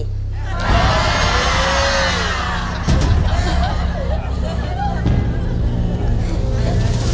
โปรดติดตามตอนต่อไป